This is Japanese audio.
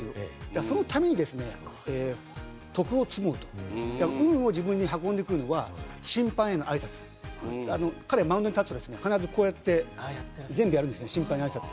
そのために徳を積もうと運を自分に運んでくるのは審判への挨拶、彼はマウンドに立つと、必ずこうやって全部やるんです、審判にあいさつ。